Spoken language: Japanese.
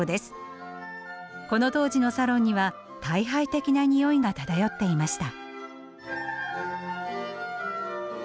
この当時のサロンには退廃的なにおいが漂っていました。